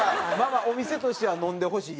お店としては飲んでほしい。